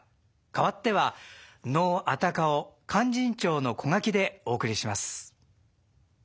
変わっては能「安宅」を「勧進帳」の小書でお送りします。